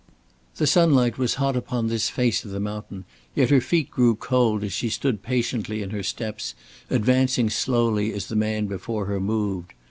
The sunlight was hot upon this face of the mountain; yet her feet grew cold, as she stood patiently in her steps, advancing slowly as the man before her moved.